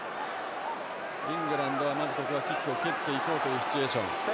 イングランドはまず、ここはキックを蹴っていこうというシチュエーション。